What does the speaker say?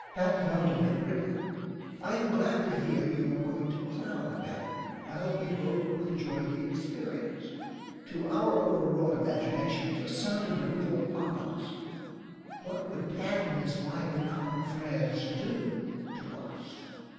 Pat Valdo had written: "I am glad to hear you are going to clown a bit. I hope you both will enjoy the experience." To our overwrought imaginations this sounded a little ominous. What would Pat and his lively confrères do to us?